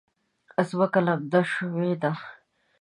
ځمکه لمده شوې ده